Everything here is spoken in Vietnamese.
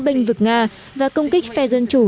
binh vực nga và công kích phe dân chủ